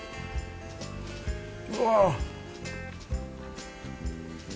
うわ！